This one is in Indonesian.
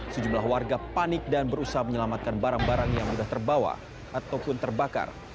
sejumlah warga panik dan berusaha menyelamatkan barang barang yang sudah terbawa ataupun terbakar